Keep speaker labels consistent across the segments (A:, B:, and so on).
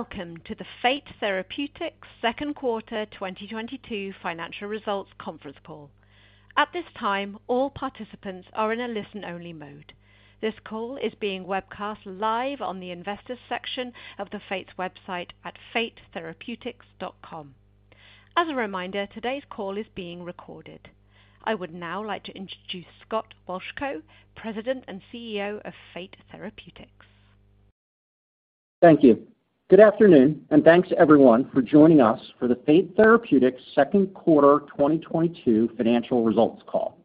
A: Welcome to the Fate Therapeutics second quarter 2022 financial results conference call. At this time, all participants are in a listen-only mode. This call is being webcast live on the Investors section of Fate Therapeutics' website at fatetherapeutics.com. As a reminder, today's call is being recorded. I would now like to introduce Scott Wolchko, President and CEO of Fate Therapeutics.
B: Thank you. Good afternoon, and thanks, everyone, for joining us for the Fate Therapeutics second quarter 2022 financial results call.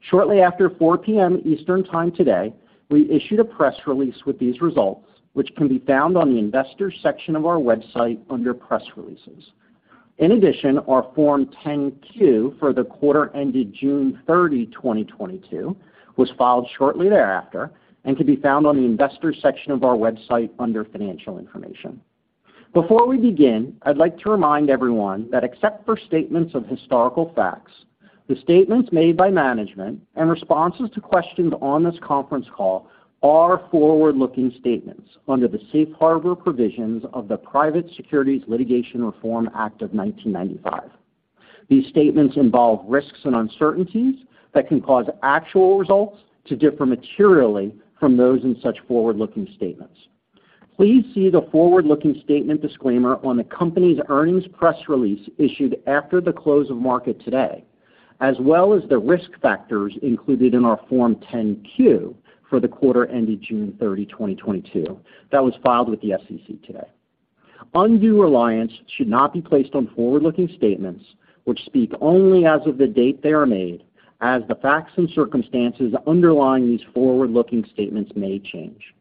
B: Shortly after 4:00 PM. Eastern Time today, we issued a press release with these results, which can be found on the Investors section of our website under Press Releases. In addition, our Form 10-Q for the quarter ended June 30, 2022 was filed shortly thereafter and can be found on the Investors section of our website under Financial Information. Before we begin, I'd like to remind everyone that except for statements of historical facts, the statements made by management and responses to questions on this conference call are forward-looking statements under the safe harbor provisions of the Private Securities Litigation Reform Act of 1995. These statements involve risks and uncertainties that can cause actual results to differ materially from those in such forward-looking statements. Please see the forward-looking statement disclaimer on the company's earnings press release issued after the close of market today, as well as the risk factors included in our Form 10-Q for the quarter ended June 30, 2022, that was filed with the SEC today. Undue reliance should not be placed on forward-looking statements which speak only as of the date they are made, as the facts and circumstances underlying these forward-looking statements may change.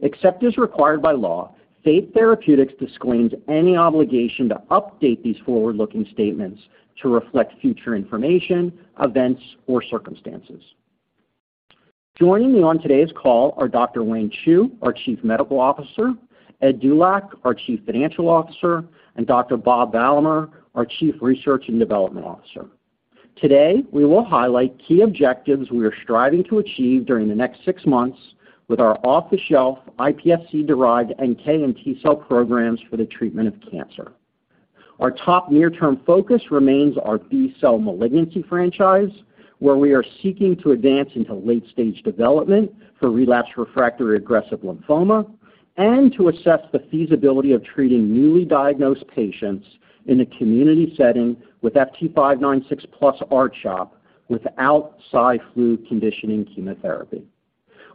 B: Except as required by law, Fate Therapeutics disclaims any obligation to update these forward-looking statements to reflect future information, events, or circumstances. Joining me on today's call are Dr. Wayne Chu, our Chief Medical Officer, Ed Dulac, our Chief Financial Officer, and Dr. Bob Valamehr, our Chief Research and Development Officer. Today, we will highlight key objectives we are striving to achieve during the next six months with our off-the-shelf iPSC-derived NK and T-cell programs for the treatment of cancer. Our top near-term focus remains our B-cell malignancy franchise, where we are seeking to advance into late-stage development for relapsed refractory aggressive lymphoma and to assess the feasibility of treating newly diagnosed patients in a community setting with FT596 plus R-CHOP without CyFlu conditioning chemotherapy.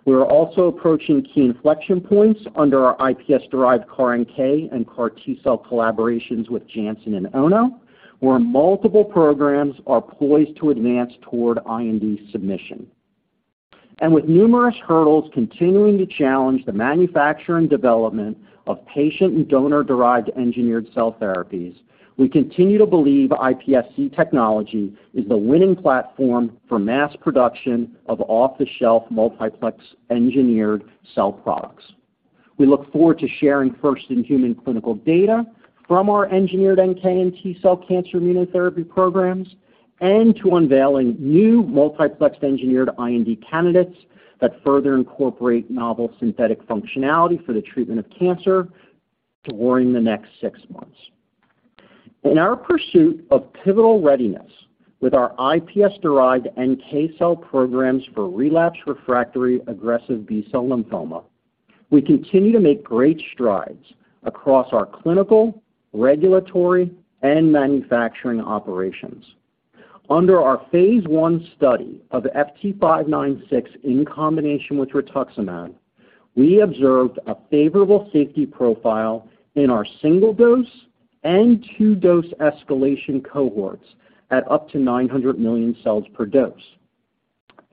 B: We are also approaching key inflection points under our iPS-derived CAR NK and CAR T-cell collaborations with Janssen and Ono, where multiple programs are poised to advance toward IND submission. With numerous hurdles continuing to challenge the manufacturing development of patient and donor-derived engineered cell therapies, we continue to believe iPSC technology is the winning platform for mass production of off-the-shelf multiplex engineered cell products. We look forward to sharing first-in-human clinical data from our engineered NK and T-cell cancer immunotherapy programs and to unveiling new multiplex engineered IND candidates that further incorporate novel synthetic functionality for the treatment of cancer during the next six months. In our pursuit of pivotal readiness with our iPS-derived NK cell programs for relapsed refractory aggressive B-cell lymphoma, we continue to make great strides across our clinical, regulatory, and manufacturing operations. Under our Phase 1 study of FT596 in combination with Rituximab, we observed a favorable safety profile in our single-dose and two-dose escalation cohorts at up to 900 million cells per dose.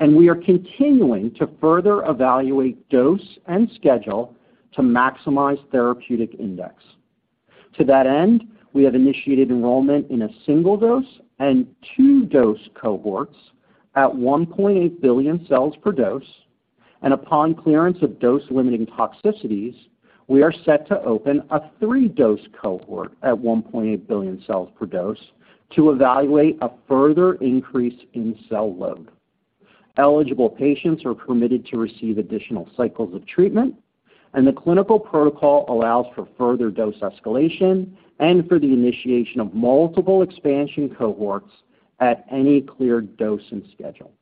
B: We are continuing to further evaluate dose and schedule to maximize therapeutic index. To that end, we have initiated enrollment in a single-dose and two-dose cohorts at 1.8 billion cells per dose. Upon clearance of dose-limiting toxicities, we are set to open a three-dose cohort at 1.8 billion cells per dose to evaluate a further increase in cell load. Eligible patients are permitted to receive additional cycles of treatment, and the clinical protocol allows for further dose escalation and for the initiation of multiple expansion cohorts at any cleared dose and schedule.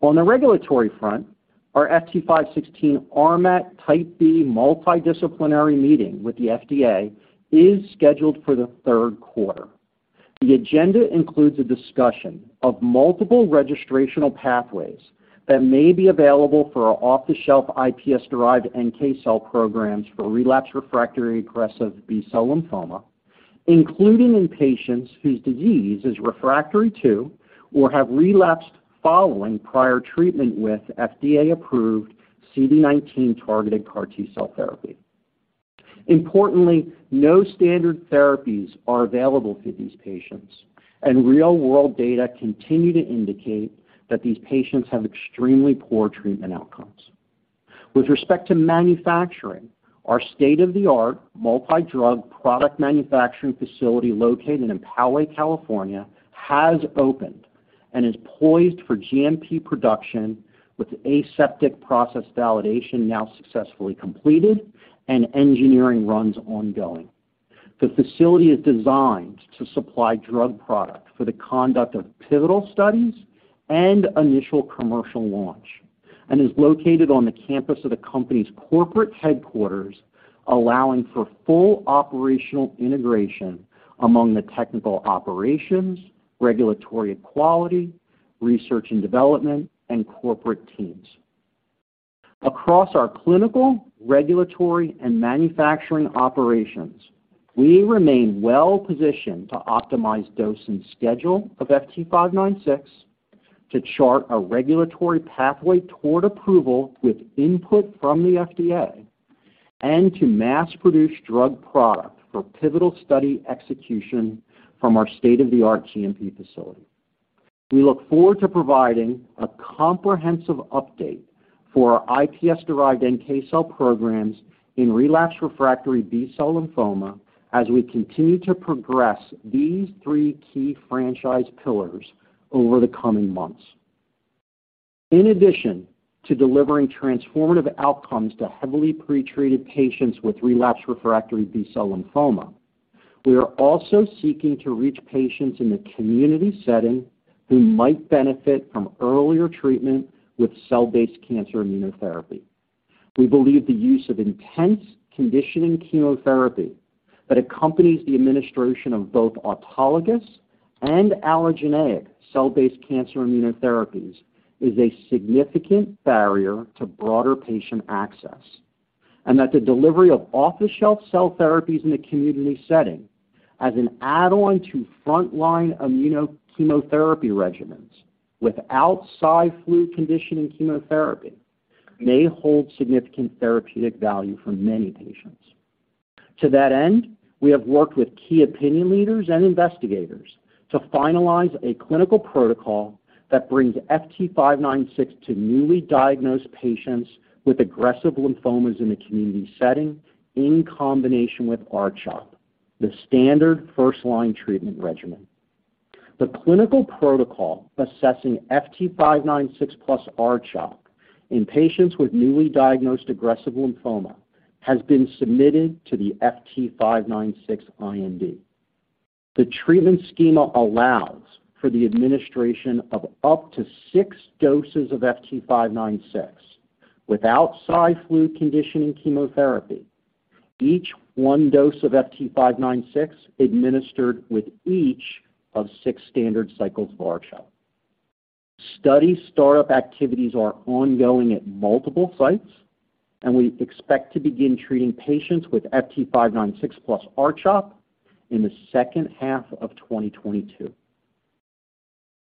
B: On the regulatory front, our FT516 RMAT type B multidisciplinary meeting with the FDA is scheduled for the third quarter. The agenda includes a discussion of multiple registrational pathways that may be available for our off-the-shelf iPS-derived NK cell programs for relapse refractory aggressive B-cell lymphoma, including in patients whose disease is refractory to or have relapsed following prior treatment with FDA-approved CD19 targeted CAR T-cell therapy. Importantly, no standard therapies are available for these patients, and real-world data continue to indicate that these patients have extremely poor treatment outcomes. With respect to manufacturing, our state-of-the-art, multi-drug product manufacturing facility located in Poway, California, has opened and is poised for GMP production with aseptic process validation now successfully completed and engineering runs ongoing. The facility is designed to supply drug product for the conduct of pivotal studies and initial commercial launch, and is located on the campus of the company's corporate headquarters, allowing for full operational integration among the technical operations, regulatory and quality, research and development, and corporate teams. Across our clinical, regulatory, and manufacturing operations, we remain well-positioned to optimize dose and schedule of FT596, to chart a regulatory pathway toward approval with input from the FDA, and to mass-produce drug product for pivotal study execution from our state-of-the-art GMP facility. We look forward to providing a comprehensive update for our iPS-derived NK cell programs in relapsed refractory B-cell lymphoma as we continue to progress these three key franchise pillars over the coming months. In addition to delivering transformative outcomes to heavily pretreated patients with relapsed refractory B-cell lymphoma, we are also seeking to reach patients in the community setting who might benefit from earlier treatment with cell-based cancer immunotherapy. We believe the use of intense conditioning chemotherapy that accompanies the administration of both autologous and allogeneic cell-based cancer immunotherapies is a significant barrier to broader patient access, and that the delivery of off-the-shelf cell therapies in the community setting as an add-on to frontline immunochemotherapy regimens without CyFlu conditioning chemotherapy may hold significant therapeutic value for many patients. To that end, we have worked with key opinion leaders and investigators to finalize a clinical protocol that brings FT596 to newly diagnosed patients with aggressive lymphomas in a community setting in combination with R-CHOP, the standard first-line treatment regimen. The clinical protocol assessing FT596 plus R-CHOP in patients with newly diagnosed aggressive lymphoma has been submitted to the FT596 IND. The treatment schema allows for the administration of up to six doses of FT596 without CyFlu conditioning chemotherapy, each one dose of FT596 administered with each of six standard cycles of R-CHOP. Study startup activities are ongoing at multiple sites, and we expect to begin treating patients with FT596 plus R-CHOP in the second half of 2022.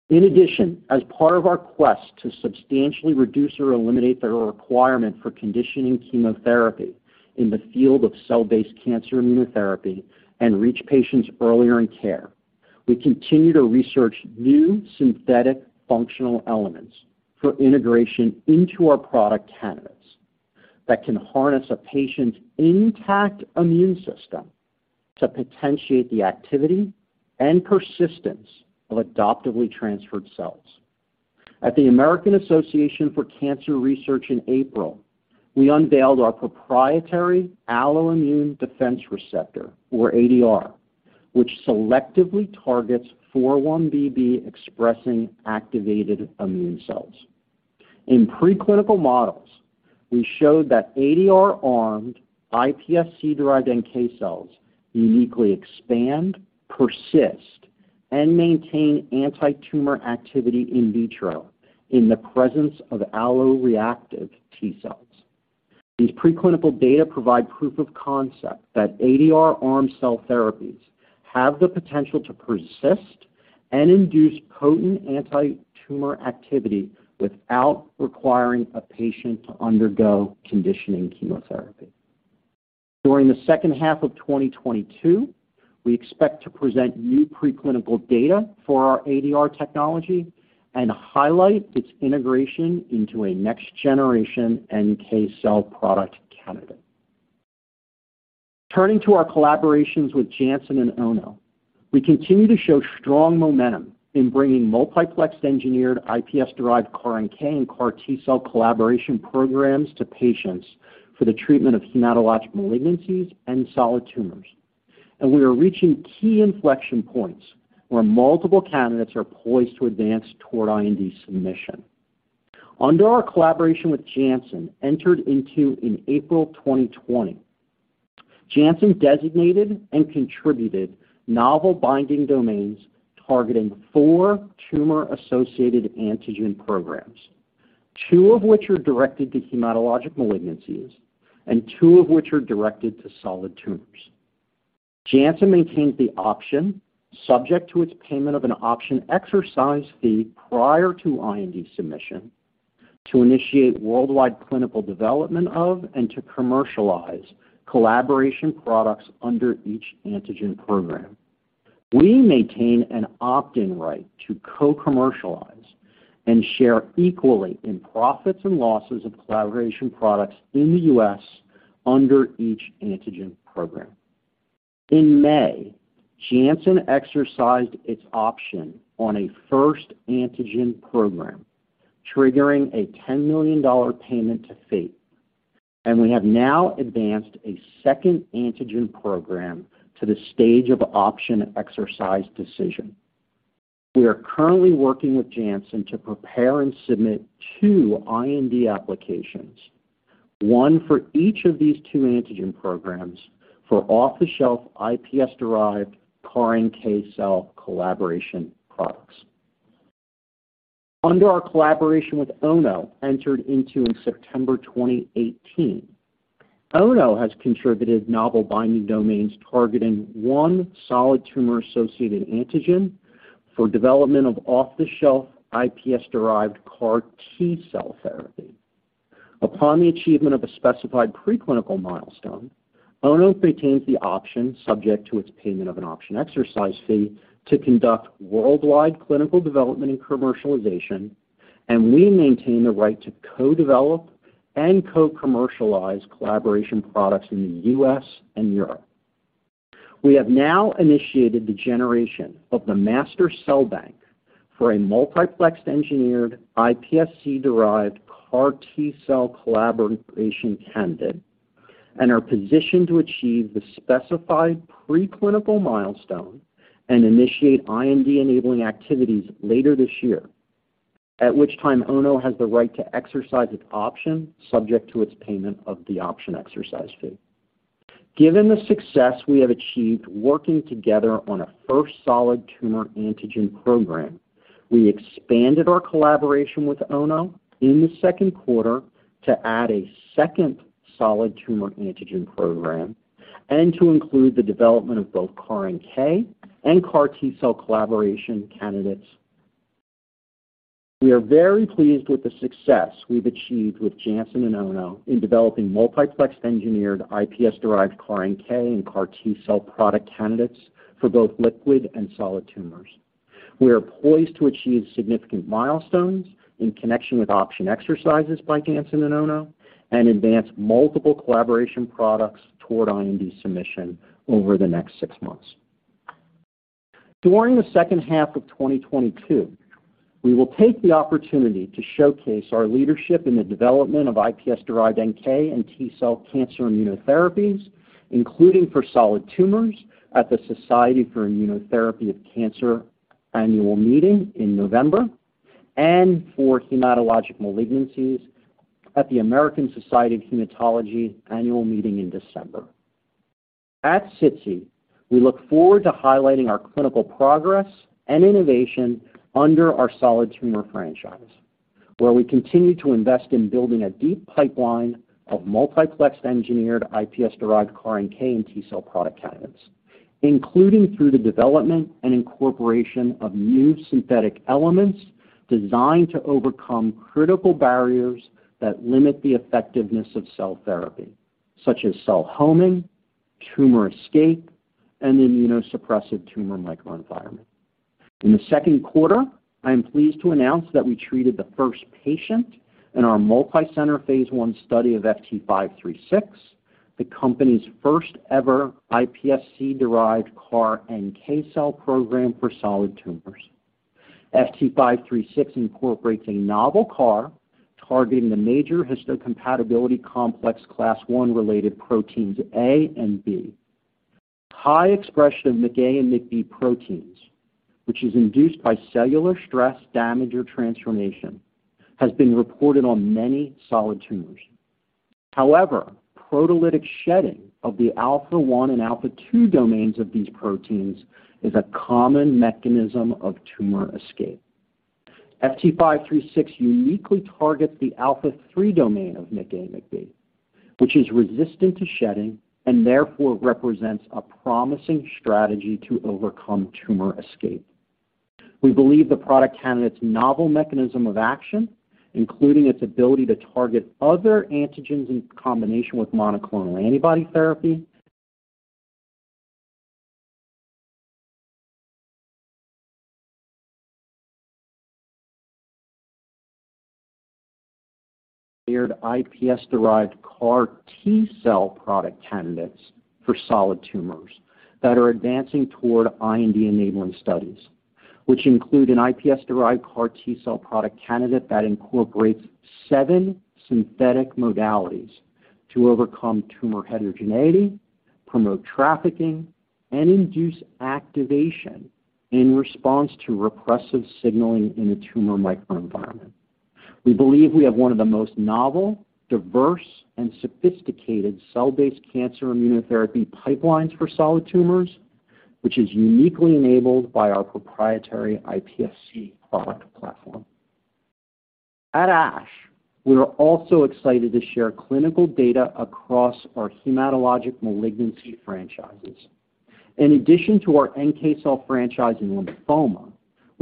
B: In addition, as part of our quest to substantially reduce or eliminate the requirement for conditioning chemotherapy in the field of cell-based cancer immunotherapy and reach patients earlier in care, we continue to research new synthetic functional elements for integration into our product candidates that can harness a patient's intact immune system to potentiate the activity and persistence of adoptively transferred cells. At the American Association for Cancer Research in April, we unveiled our proprietary Alloimmune Defense Receptor, or ADR, which selectively targets 4-1BB expressing activated immune cells. In preclinical models, we showed that ADR armed iPSC-derived NK cells uniquely expand, persist, and maintain antitumor activity in vitro in the presence of alloreactive T cells. These preclinical data provide proof of concept that ADR-armed cell therapies have the potential to persist and induce potent antitumor activity without requiring a patient to undergo conditioning chemotherapy. During the second half of 2022, we expect to present new preclinical data for our ADR technology and highlight its integration into a next-generation NK cell product candidate. Turning to our collaborations with Janssen and Ono, we continue to show strong momentum in bringing multiplex engineered iPS-derived CAR NK and CAR T cell collaboration programs to patients for the treatment of hematologic malignancies and solid tumors, and we are reaching key inflection points where multiple candidates are poised to advance toward IND submission. Under our collaboration with Janssen, entered into in April 2020, Janssen designated and contributed novel binding domains targeting four tumor-associated antigen programs, two of which are directed to hematologic malignancies and two of which are directed to solid tumors. Janssen maintains the option subject to its payment of an option exercise fee prior to IND submission to initiate worldwide clinical development of and to commercialize collaboration products under each antigen program. We maintain an opt-in right to co-commercialize and share equally in profits and losses of collaboration products in the U.S. under each antigen program. In May, Janssen exercised its option on a first antigen program, triggering a $10 million payment to Fate. We have now advanced a second antigen program to the stage of option exercise decision. We are currently working with Janssen to prepare and submit two IND applications, one for each of these two antigen programs for off-the-shelf iPS-derived CAR NK cell collaboration products. Under our collaboration with Ono, entered into in September 2018, Ono has contributed novel binding domains targeting one solid tumor-associated antigen for development of off-the-shelf iPS-derived CAR T cell therapy. Upon the achievement of a specified preclinical milestone, Ono retains the option, subject to its payment of an option exercise fee, to conduct worldwide clinical development and commercialization, and we maintain the right to co-develop and co-commercialize collaboration products in the U.S. and Europe. We have now initiated the generation of the master cell bank for a multiplex engineered iPSC-derived CAR T cell collaboration candidate and are positioned to achieve the specified preclinical milestone and initiate IND-enabling activities later this year, at which time Ono has the right to exercise its option subject to its payment of the option exercise fee. Given the success we have achieved working together on a first solid tumor antigen program, we expanded our collaboration with Ono in the second quarter to add a second solid tumor antigen program and to include the development of both CAR NK and CAR T cell collaboration candidates. We are very pleased with the success we've achieved with Janssen and Ono in developing multiplex engineered iPS-derived CAR NK and CAR T cell product candidates for both liquid and solid tumors. We are poised to achieve significant milestones in connection with option exercises by Janssen and Ono and advance multiple collaboration products toward IND submission over the next six months. During the second half of 2022, we will take the opportunity to showcase our leadership in the development of iPS-derived NK and T cell cancer immunotherapies, including for solid tumors at the Society for Immunotherapy of Cancer Annual Meeting in November and for hematologic malignancies at the American Society of Hematology Annual Meeting in December. At SITC, we look forward to highlighting our clinical progress and innovation under our solid tumor franchise, where we continue to invest in building a deep pipeline of multiplex engineered iPS-derived CAR NK and T cell product candidates, including through the development and incorporation of new synthetic elements designed to overcome critical barriers that limit the effectiveness of cell therapy, such as cell homing, tumor escape, and immunosuppressive tumor microenvironment. In the second quarter, I am pleased to announce that we treated the first patient in our multicenter phase 1 study of FT536, the company's first-ever iPSC-derived CAR NK cell program for solid tumors. FT536 incorporates a novel CAR targeting the major histocompatibility complex class I-related proteins A and B. High expression of MICA and MICB proteins, which is induced by cellular stress, damage or transformation, has been reported on many solid tumors. However, proteolytic shedding of the alpha-1 and alpha-2 domains of these proteins is a common mechanism of tumor escape. FT536 uniquely targets the alpha-3 domain of MICA, MICB, which is resistant to shedding and therefore represents a promising strategy to overcome tumor escape. We believe the product candidate's novel mechanism of action, including its ability to target other antigens in combination with monoclonal antibody therapy. iPS-derived CAR T cell product candidates for solid tumors that are advancing toward IND-enabling studies, which include an iPS-derived CAR T cell product candidate that incorporates seven synthetic modalities to overcome tumor heterogeneity, promote trafficking, and induce activation in response to repressive signaling in the tumor microenvironment. We believe we have one of the most novel, diverse, and sophisticated cell-based cancer immunotherapy pipelines for solid tumors, which is uniquely enabled by our proprietary iPSC product platform. At ASH, we are also excited to share clinical data across our hematologic malignancy franchises. In addition to our NK cell franchise in lymphoma,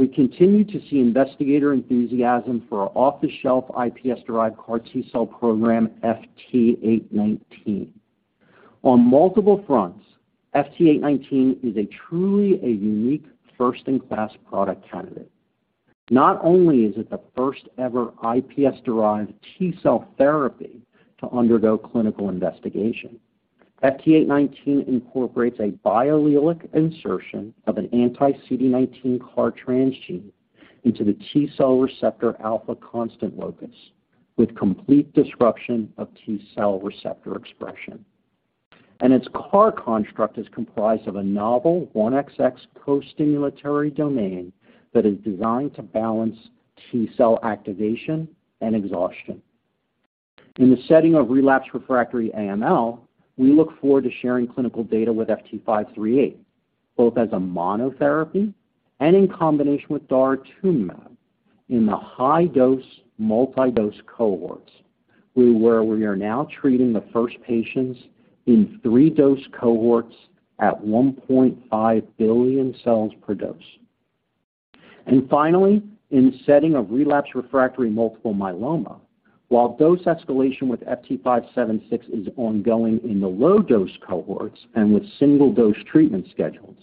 B: we continue to see investigator enthusiasm for our off-the-shelf iPS-derived CAR T cell program, FT819. On multiple fronts, FT819 is truly a unique first-in-class product candidate. Not only is it the first-ever iPS-derived T-cell therapy to undergo clinical investigation, FT819 incorporates a bi-allelic insertion of an anti-CD19 CAR transgene into the T-cell receptor alpha constant locus with complete disruption of T-cell receptor expression. Its CAR construct is comprised of a novel 1XX co-stimulatory domain that is designed to balance T-cell activation and exhaustion. In the setting of relapsed refractory AML, we look forward to sharing clinical data with FT538, both as a monotherapy and in combination with daratumumab in the high-dose, multi-dose cohorts, where we are now treating the first patients in 3-dose cohorts at 1.5 billion cells per dose. Finally, in the setting of relapsed refractory multiple myeloma, while dose escalation with FT576 is ongoing in the low-dose cohorts and with single-dose treatment schedules,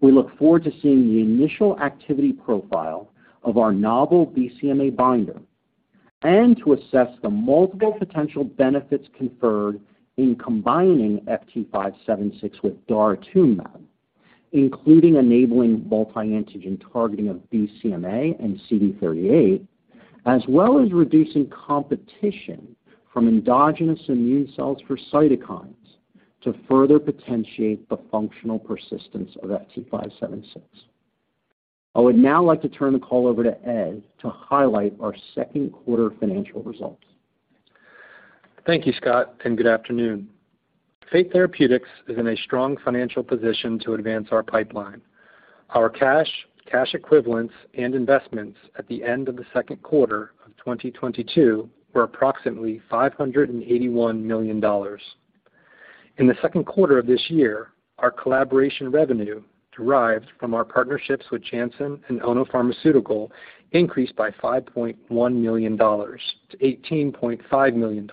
B: we look forward to seeing the initial activity profile of our novel BCMA binder and to assess the multiple potential benefits conferred in combining FT576 with daratumumab, including enabling multi-antigen targeting of BCMA and CD38, as well as reducing competition from endogenous immune cells for cytokines to further potentiate the functional persistence of FT576. I would now like to turn the call over to Ed to highlight our second quarter financial results.
C: Thank you, Scott, and good afternoon. Fate Therapeutics is in a strong financial position to advance our pipeline. Our cash equivalents and investments at the end of the second quarter of 2022 were approximately $581 million. In the second quarter of this year, our collaboration revenue derived from our partnerships with Janssen and Ono Pharmaceutical increased by $5.1 -18.5 million,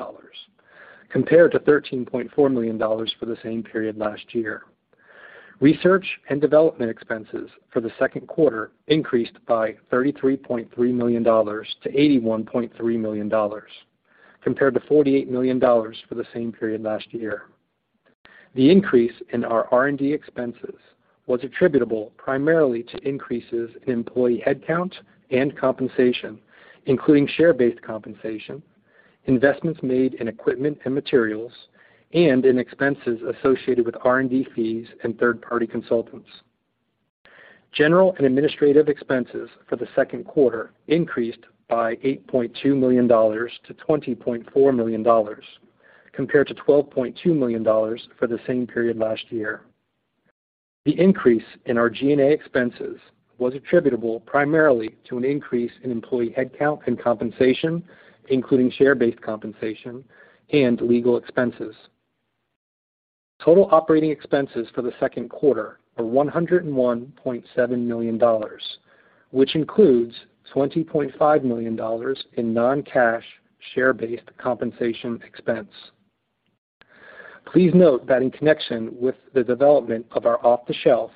C: compared to $13.4 million for the same period last year. Research and development expenses for the second quarter increased by $33.3 - 81.3 million, compared to $48 million for the same period last year. The increase in our R&D expenses was attributable primarily to increases in employee headcount and compensation, including share-based compensation, investments made in equipment and materials, and in expenses associated with R&D fees and third-party consultants. General and administrative expenses for the second quarter increased by $8.2 -20.4 million, compared to $12.2 million for the same period last year. The increase in our G&A expenses was attributable primarily to an increase in employee headcount and compensation, including share-based compensation and legal expenses. Total operating expenses for the second quarter were $101.7 million, which includes $20.5 million in non-cash share-based compensation expense. Please note that in connection with the development of our off-the-shelf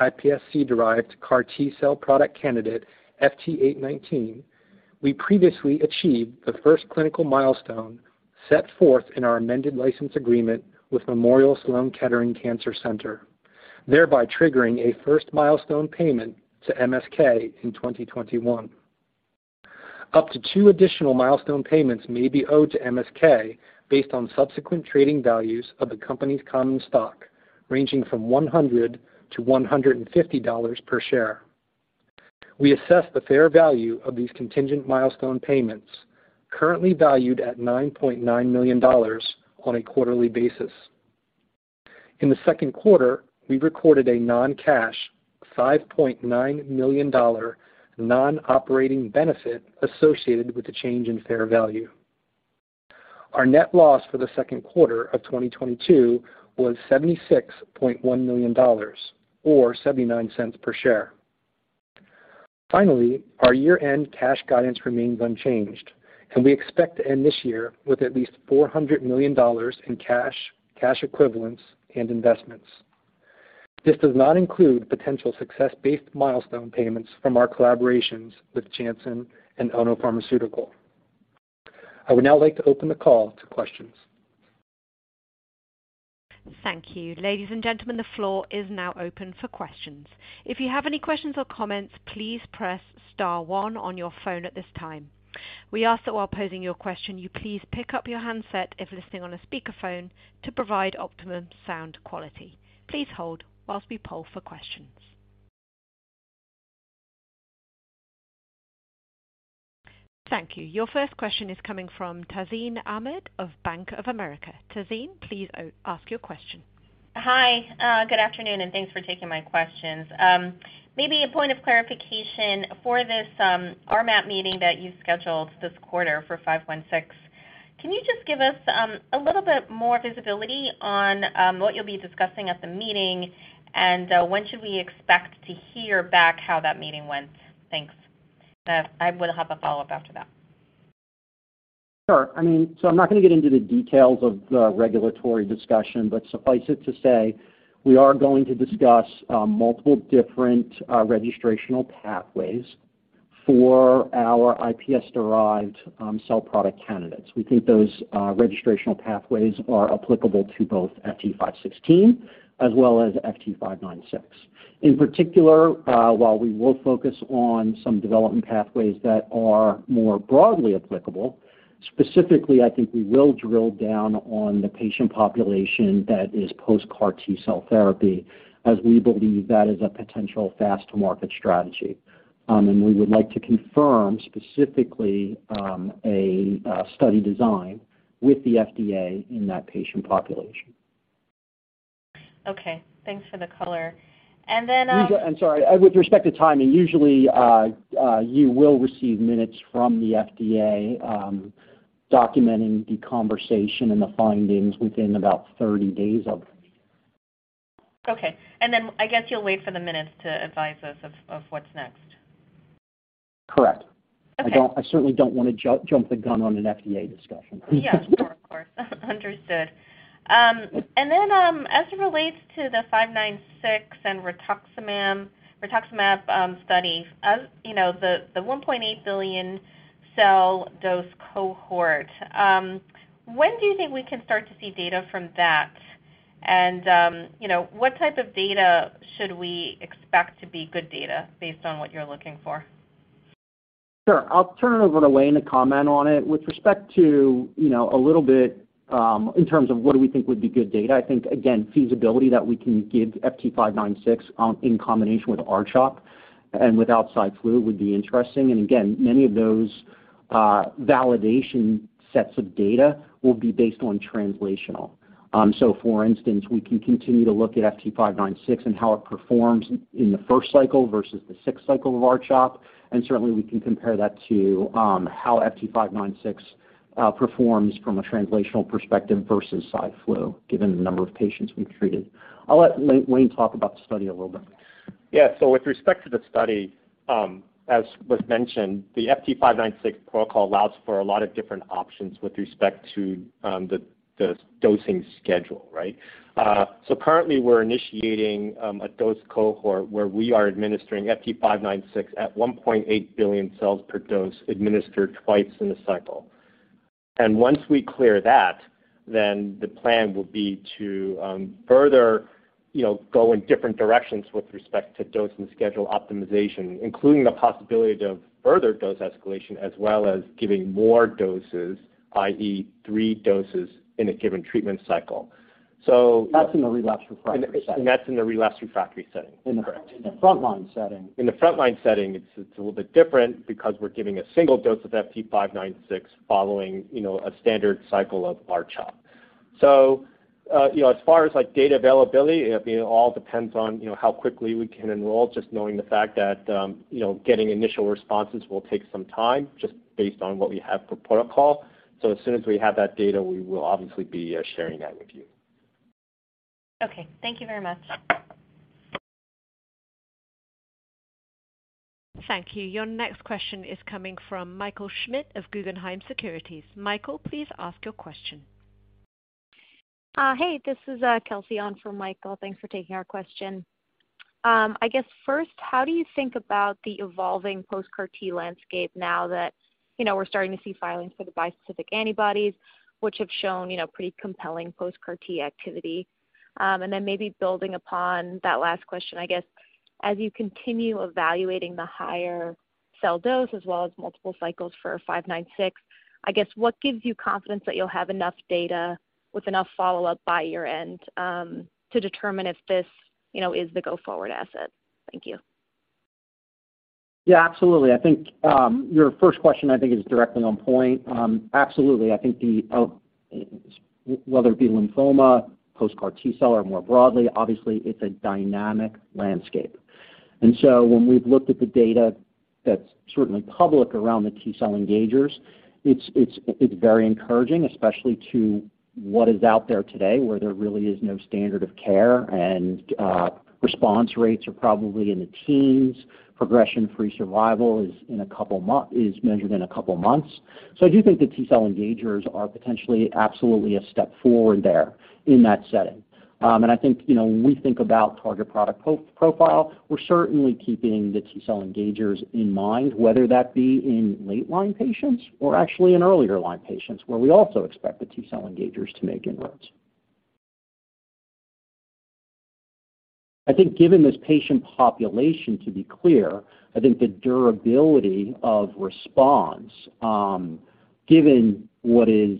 C: iPSC-derived CAR T-cell product candidate, FT819, we previously achieved the first clinical milestone set forth in our amended license agreement with Memorial Sloan Kettering Cancer Center, thereby triggering a first milestone payment to MSK in 2021. Up to two additional milestone payments may be owed to MSK based on subsequent trading values of the company's common stock, ranging from $100-$150 per share. We assess the fair value of these contingent milestone payments currently valued at $9.9 million on a quarterly basis. In the second quarter, we recorded a non-cash $5.9 million non-operating benefit associated with the change in fair value. Our net loss for the second quarter of 2022 was $76.1 million or $0.79 per share. Finally, our year-end cash guidance remains unchanged, and we expect to end this year with at least $400 million in cash equivalents and investments. This does not include potential success-based milestone payments from our collaborations with Janssen and Ono Pharmaceutical. I would now like to open the call to questions.
A: Thank you. Ladies and gentlemen, the floor is now open for questions. If you have any questions or comments, please press star one on your phone at this time. We ask that while posing your question, you please pick up your handset if listening on a speakerphone to provide optimum sound quality. Please hold while we poll for questions. Thank you. Your first question is coming from Tazeen Ahmad of Bank of America. Tazeen, please ask your question.
D: Hi. Good afternoon, and thanks for taking my questions. Maybe a point of clarification. For this RMAT meeting that you scheduled this quarter for FT516, can you just give us a little bit more visibility on what you'll be discussing at the meeting, and when should we expect to hear back how that meeting went? Thanks. I will have a follow-up after that.
B: Sure. I mean, I'm not gonna get into the details of the regulatory discussion, but suffice it to say we are going to discuss multiple different registrational pathways for our iPS derived cell product candidates. We think those registrational pathways are applicable to both FT516 as well as FT596. In particular, while we will focus on some development pathways that are more broadly applicable, specifically, I think we will drill down on the patient population that is post-CAR T cell therapy as we believe that is a potential fast to market strategy. We would like to confirm specifically a study design with the FDA in that patient population.
D: Okay. Thanks for the color.
B: Tazeen, I'm sorry. With respect to timing, usually, you will receive minutes from the FDA, documenting the conversation and the findings within about 30 days of.
D: Okay. I guess you'll wait for the minutes to advise us of what's next.
B: Correct.
D: Okay.
B: I certainly don't wanna jump the gun on an FDA discussion.
D: Yeah, sure. Of course. Understood. Then, as it relates to the FT596 and Rituximab study, as you know, the 1.8 billion cell dose cohort, when do you think we can start to see data from that? You know, what type of data should we expect to be good data based on what you're looking for?
B: Sure. I'll turn it over to Wayne to comment on it. With respect to, you know, a little bit, in terms of what do we think would be good data, I think again, feasibility that we can give FT596, in combination with R-CHOP and without CyFlu would be interesting. Again, many of those, validation sets of data will be based on translational. For instance, we can continue to look at FT596 and how it performs in the first cycle versus the sixth cycle of R-CHOP. Certainly we can compare that to, how FT596, performs from a translational perspective versus CyFlu, given the number of patients we've treated. I'll let Wayne talk about the study a little bit.
E: Yeah. With respect to the study, as was mentioned, the FT596 protocol allows for a lot of different options with respect to the dosing schedule, right? Currently we're initiating a dose cohort where we are administering FT596 at 1.8 billion cells per dose, administered twice in a cycle. Once we clear that, the plan will be to further, you know, go in different directions with respect to dosing schedule optimization, including the possibility of further dose escalation as well as giving more doses, i.e., three doses in a given treatment cycle.
B: That's in the relapsed refractory setting.
E: That's in the relapsed refractory setting. Correct.
B: In the frontline setting.
E: In the frontline setting, it's a little bit different because we're giving a single dose of FT596 following, you know, a standard cycle of R-CHOP. You know, as far as like data availability, it all depends on, you know, how quickly we can enroll, just knowing the fact that, you know, getting initial responses will take some time just based on what we have for protocol. As soon as we have that data, we will obviously be sharing that with you.
D: Okay. Thank you very much.
A: Thank you. Your next question is coming from Michael Schmidt of Guggenheim Securities. Michael, please ask your question.
F: Hey, this is Kelsey on for Michael. Thanks for taking our question. I guess first, how do you think about the evolving post-CAR T landscape now that, you know, we're starting to see filings for the bispecific antibodies which have shown, you know, pretty compelling post-CAR T activity? Maybe building upon that last question, I guess, as you continue evaluating the higher cell dose as well as multiple cycles for FT596, I guess what gives you confidence that you'll have enough data with enough follow-up by year-end to determine if this, you know, is the go forward asset? Thank you.
B: Yeah, absolutely. I think your first question is directly on point. Absolutely. I think whether it be lymphoma, post-CAR T-cell or more broadly, obviously it's a dynamic landscape. When we've looked at the data that's certainly public around the T-cell engagers, it's very encouraging, especially to what is out there today, where there really is no standard of care and response rates are probably in the teens. Progression-free survival is measured in a couple of months. I do think the T-cell engagers are potentially absolutely a step forward there in that setting. I think, you know, when we think about target product profile, we're certainly keeping the T-cell engagers in mind, whether that be in late line patients or actually in earlier line patients, where we also expect the T-cell engagers to make inroads. I think given this patient population, to be clear, I think the durability of response, given what is,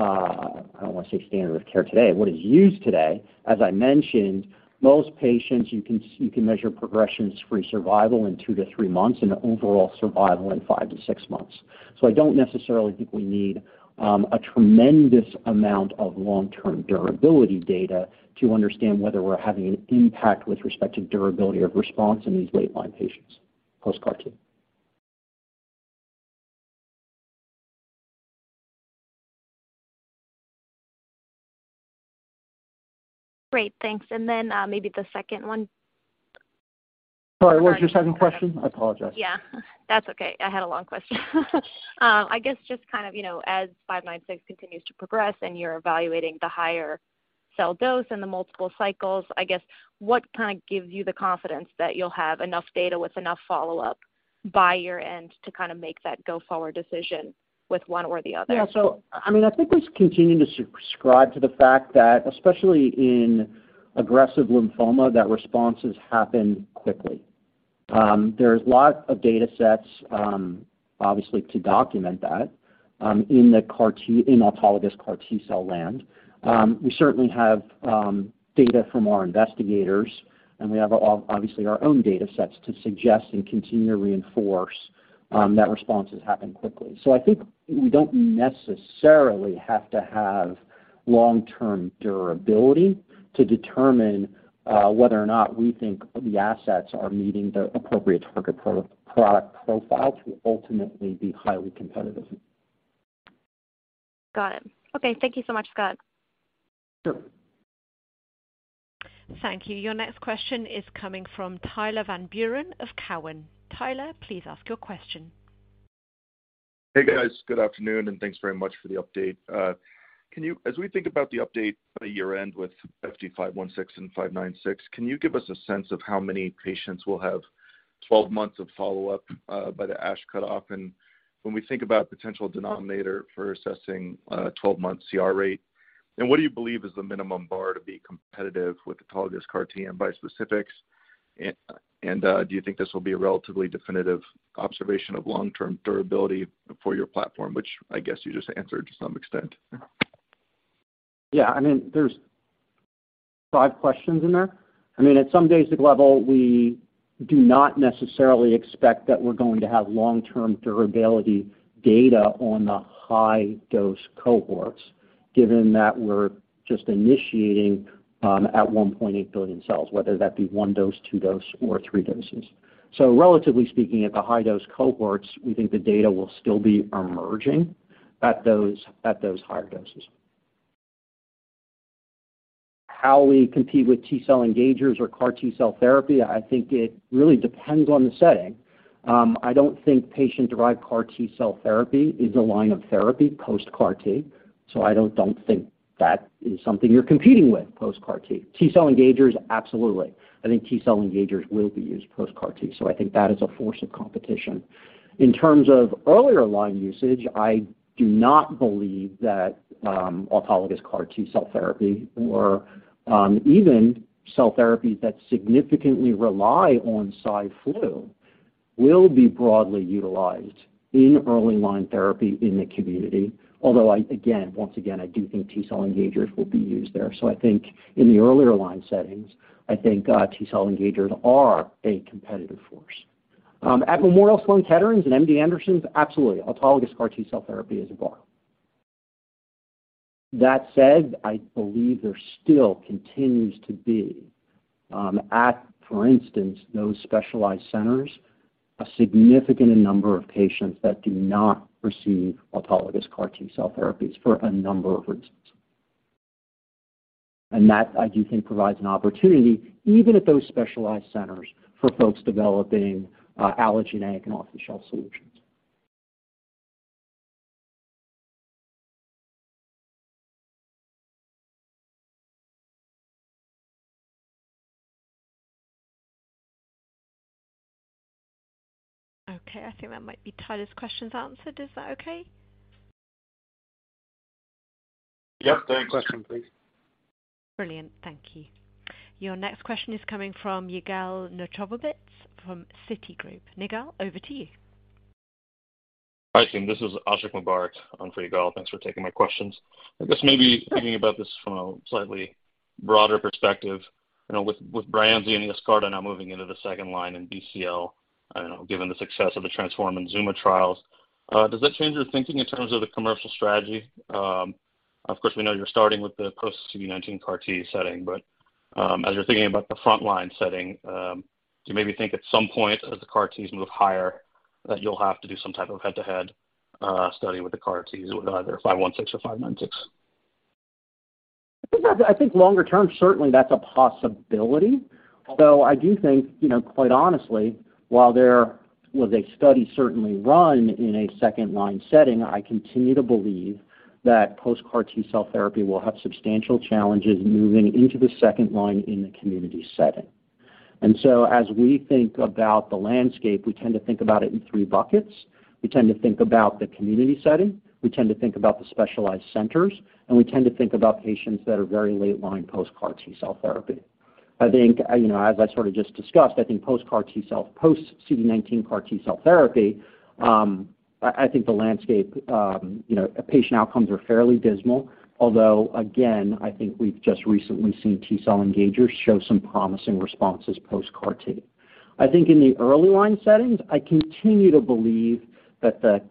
B: I don't wanna say standard of care today, what is used today, as I mentioned, most patients you can measure progression-free survival in two-three months and overall survival in five-six months. I don't necessarily think we need a tremendous amount of long-term durability data to understand whether we're having an impact with respect to durability of response in these late line patients post-CAR T.
F: Great, thanks. Maybe the second one.
B: Sorry, what was your second question? I apologize.
F: Yeah. That's okay. I had a long question. I guess just kind of, you know, as FT596 continues to progress and you're evaluating the higher cell dose and the multiple cycles, I guess, what kinda gives you the confidence that you'll have enough data with enough follow-up by year-end to kinda make that go forward decision with one or the other?
B: I mean, I think we continue to subscribe to the fact that, especially in aggressive lymphoma, that responses happen quickly. There's lots of datasets, obviously to document that, in autologous CAR T-cell land. We certainly have data from our investigators, and we have obviously our own datasets to suggest and continue to reinforce that responses happen quickly. I think we don't necessarily have to have long-term durability to determine whether or not we think the assets are meeting the appropriate target product profile to ultimately be highly competitive.
F: Got it. Okay, thank you so much, Scott.
B: Sure.
A: Thank you. Your next question is coming from Tyler Van Buren of Cowen. Tyler, please ask your question.
G: Hey, guys. Good afternoon, and thanks very much for the update. Can you—As we think about the update by year-end with FT516 and FT596, can you give us a sense of how many patients will have 12 months of follow-up by the ASH cutoff? And when we think about potential denominator for assessing 12-month CR rate, and what do you believe is the minimum bar to be competitive with autologous CAR T and bispecifics? And do you think this will be a relatively definitive observation of long-term durability for your platform, which I guess you just answered to some extent?
B: Yeah. I mean, there's five questions in there. I mean, at some basic level, we do not necessarily expect that we're going to have long-term durability data on the high dose cohorts given that we're just initiating at 1.8 billion cells, whether that be one dose, two dose, or three doses. Relatively speaking, at the high dose cohorts, we think the data will still be emerging at those higher doses. How we compete with T-cell engagers or CAR T-cell therapy, I think it really depends on the setting. I don't think patient-derived CAR T-cell therapy is a line of therapy post-CAR T, so I don't think that is something you're competing with post-CAR T. T-cell engagers, absolutely. I think T-cell engagers will be used post-CAR T, so I think that is a force of competition. In terms of earlier line usage, I do not believe that, autologous CAR T-cell therapy or, even cell therapies that significantly rely on CyFlu will be broadly utilized in early line therapy in the community. Although I, again, once again, I do think T-cell engagers will be used there. I think in the earlier line settings, T-cell engagers are a competitive force. At Memorial Sloan Kettering's and MD Anderson's, absolutely, autologous CAR T-cell therapy is a bar. That said, I believe there still continues to be, at, for instance, those specialized centers, a significant number of patients that do not receive autologous CAR T-cell therapies for a number of reasons. That, I do think, provides an opportunity, even at those specialized centers, for folks developing, allogeneic and off-the-shelf solutions.
A: Okay. I think that might be Tyler's questions answered. Is that okay?
G: Yep. Third question, please.
A: Brilliant. Thank you. Your next question is coming from Yigal Nochomovitz from Citigroup. Yigal, over to you.
H: Hi, team. This is Ashiq Mubarack on for Yigal Nochomovitz. Thanks for taking my questions. I guess maybe thinking about this from a slightly broader perspective, you know, with Breyanzi and Yescarta now moving into the second line in DLBCL, I don't know, given the success of the TRANSCEND and ZUMA trials, does that change your thinking in terms of the commercial strategy? Of course, we know you're starting with the post-CD19 CAR T setting, but, as you're thinking about the front line setting, do you maybe think at some point as the CAR Ts move higher, that you'll have to do some type of head-to-head study with the CAR Ts with either FT516 or FT596?
B: I think longer term, certainly that's a possibility. Although I do think, you know, quite honestly, while there was a study certainly run in a second line setting, I continue to believe that post-CAR T-cell therapy will have substantial challenges moving into the second line in the community setting. As we think about the landscape, we tend to think about it in three buckets. We tend to think about the community setting, we tend to think about the specialized centers, and we tend to think about patients that are very late line post-CAR T-cell therapy. I think, you know, as I sort of just discussed, I think post-CAR T-cell post-CD19 CAR T-cell therapy, I think the landscape, you know, patient outcomes are fairly dismal. Although, again, I think we've just recently seen T-cell engagers show some promising responses post-CAR T. I think in the early line settings, I continue to believe that the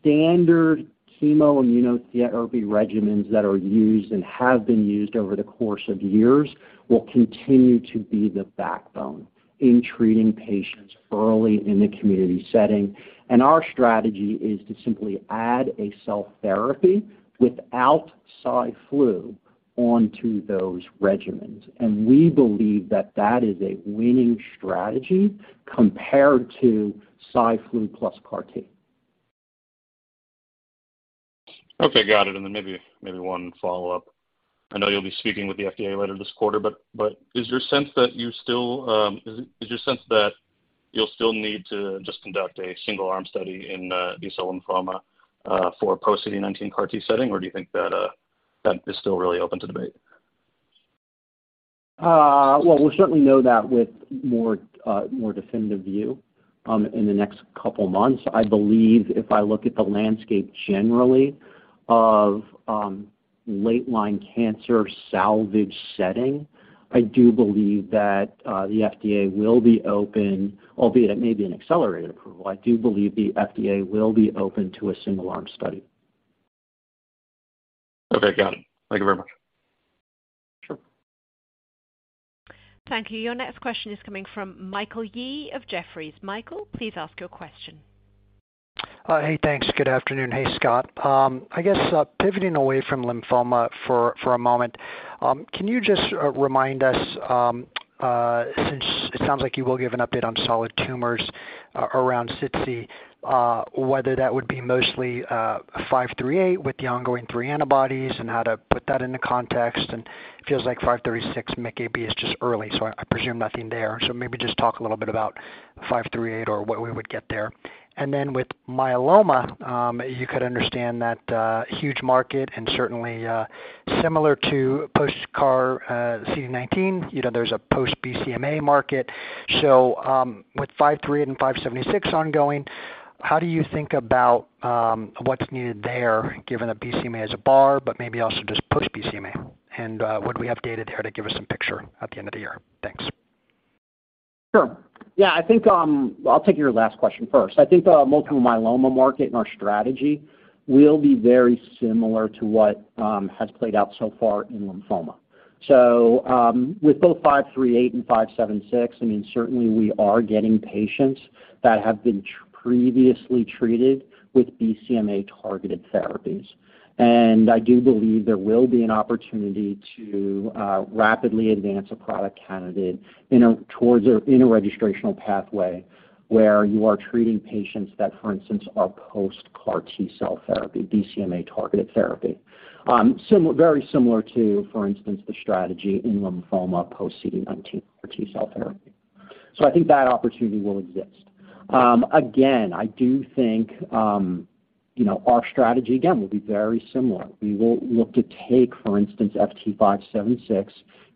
B: standard chemo-immunotherapy regimens that are used and have been used over the course of years will continue to be the backbone in treating patients early in the community setting. Our strategy is to simply add a cell therapy without CyFlu onto those regimens. We believe that that is a winning strategy compared to CyFlu plus CAR T.
H: Okay, got it. Then maybe one follow-up. I know you'll be speaking with the FDA later this quarter, but is your sense that you'll still need to just conduct a single arm study in B-cell lymphoma for a CD19 CAR T setting? Or do you think that is still really open to debate?
B: Well, we'll certainly know that with more definitive view in the next couple of months. I believe if I look at the landscape generally of late line cancer salvage setting, I do believe that the FDA will be open, albeit it may be an accelerated approval. I do believe the FDA will be open to a single arm study.
H: Okay, got it. Thank you very much.
B: Sure.
A: Thank you. Your next question is coming from Michael Yee of Jefferies. Michael, please ask your question.
I: Hey, thanks. Good afternoon. Hey, Scott. I guess pivoting away from lymphoma for a moment, can you just remind us since it sounds like you will give an update on solid tumors around SITC, whether that would be mostly FT538 with the ongoing three antibodies and how to put that into context. It feels like FT536 MICA is just early, so I presume nothing there. Maybe just talk a little bit about five three eight or what we would get there. Then with myeloma, you could understand that huge market and certainly similar to post CAR CD19, you know, there's a post BCMA market. With FT538 and FT576 ongoing, how do you think about what's needed there given that BCMA is the bar, but maybe also just post-BCMA? Would we have data there to give us some picture at the end of the year? Thanks.
B: Sure. Yeah, I think I'll take your last question first. I think the multiple myeloma market and our strategy will be very similar to what has played out so far in lymphoma. With both FT538 and FT576, I mean, certainly we are getting patients that have been previously treated with BCMA-targeted therapies. I do believe there will be an opportunity to rapidly advance a product candidate in a towards a in a registrational pathway where you are treating patients that, for instance, are post-CAR T-cell therapy, BCMA-targeted therapy. Similar, very similar to, for instance, the strategy in lymphoma post-CD19 CAR T-cell therapy. I think that opportunity will exist. Again, I do think you know, our strategy again will be very similar. We will look to take, for instance, FT576,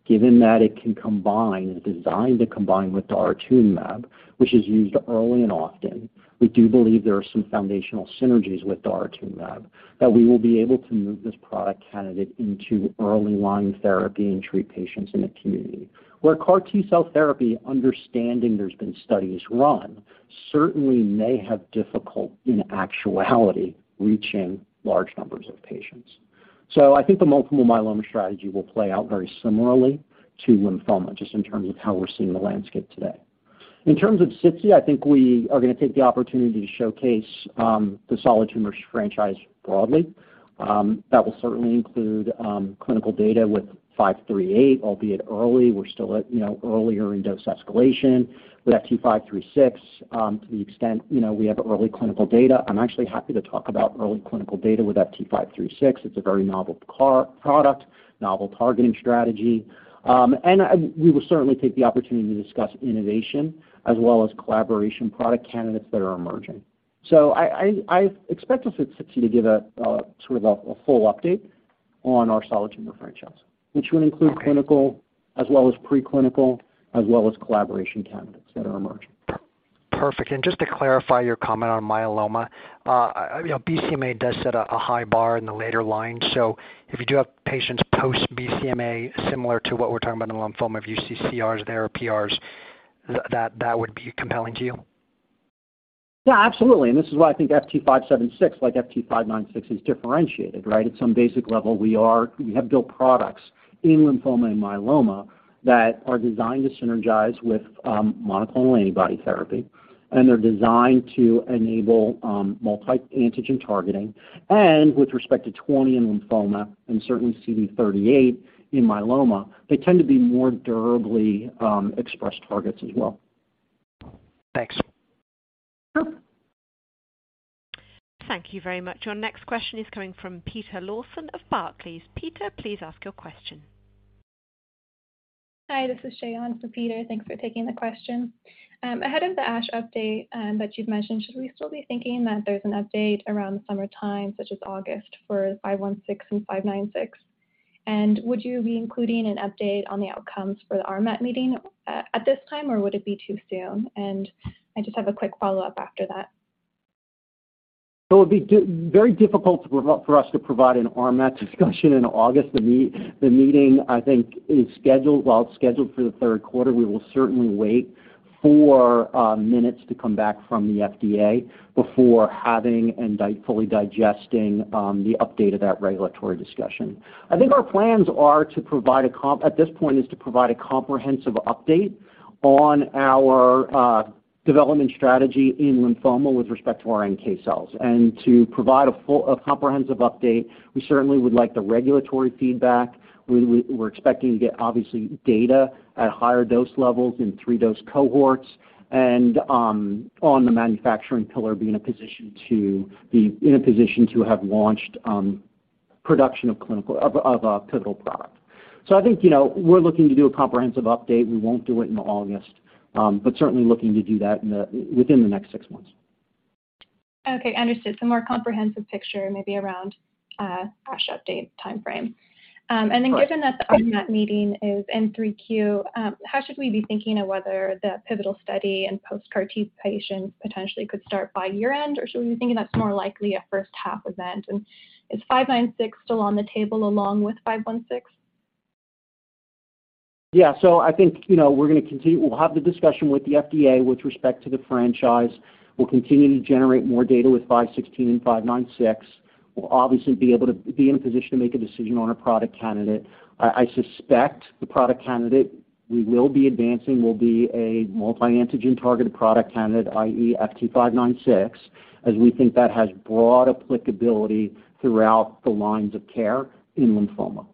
B: given that it can combine, is designed to combine with Daratumumab, which is used early and often. We do believe there are some foundational synergies with Daratumumab, that we will be able to move this product candidate into early line therapy and treat patients in the community. Where CAR T-cell therapy, understanding there's been studies run, certainly may have difficulty in actuality, reaching large numbers of patients. I think the multiple myeloma strategy will play out very similarly to lymphoma, just in terms of how we're seeing the landscape today. In terms of SITC, I think we are gonna take the opportunity to showcase the solid tumors franchise broadly. That will certainly include clinical data with FT538, albeit early. We're still at, you know, earlier in dose escalation with FT536, to the extent, you know, we have early clinical data. I'm actually happy to talk about early clinical data with FT536. It's a very novel CAR product, novel targeting strategy. We will certainly take the opportunity to discuss innovation as well as collaboration product candidates that are emerging. I expect us at SITC to give a sort of a full update on our solid tumor franchise, which would include clinical as well as preclinical, as well as collaboration candidates that are emerging.
I: Perfect. Just to clarify your comment on myeloma, you know, BCMA does set a high bar in the later line. If you do have patients post BCMA, similar to what we're talking about in lymphoma, if you see CRs there or PRs, that would be compelling to you?
B: Yeah, absolutely. This is why I think FT576, like FT596, is differentiated, right? At some basic level, we have built products in lymphoma and myeloma that are designed to synergize with monoclonal antibody therapy, and they're designed to enable multi-antigen targeting. With respect to CD20 in lymphoma and certainly CD38 in myeloma, they tend to be more durably expressed targets as well.
I: Thanks.
B: Sure.
A: Thank you very much. Your next question is coming from Peter Lawson of Barclays. Peter, please ask your question.
J: Hi, this is Shayon for Peter. Thanks for taking the question. Ahead of the ASH update that you've mentioned, should we still be thinking that there's an update around the summertime, such as August for FT516 and FT596? Would you be including an update on the outcomes for the RMAT meeting at this time, or would it be too soon? I just have a quick follow-up after that.
B: It'd be very difficult for us to provide an RMAT discussion in August. The meeting I think is scheduled. Well, it's scheduled for the third quarter. We will certainly wait for minutes to come back from the FDA before having and fully digesting the update of that regulatory discussion. I think our plans at this point are to provide a comprehensive update on our development strategy in lymphoma with respect to our NK cells. To provide a full comprehensive update, we certainly would like the regulatory feedback. We're expecting to get obviously data at higher dose levels in three dose cohorts and on the manufacturing pillar, be in a position to have launched production of a clinical pivotal product. I think, you know, we're looking to do a comprehensive update. We won't do it in August, but certainly looking to do that within the next six months.
J: Okay, understood. More comprehensive picture maybe around ASH update timeframe.
B: Of course.
J: Given that the RMAT meeting is in 3Q, how should we be thinking of whether the pivotal study and post-CAR T patients potentially could start by year-end? Or should we be thinking that's more likely a first half event? And is 596 still on the table along with 516?
B: Yeah. I think, you know, we're gonna continue. We'll have the discussion with the FDA with respect to the franchise. We'll continue to generate more data with FT516 and FT596. We'll obviously be able to be in a position to make a decision on a product candidate. I suspect the product candidate we will be advancing will be a multi-antigen targeted product candidate, i.e. FT596, as we think that has broad applicability throughout the lines of care in lymphoma.